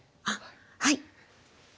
あっはい！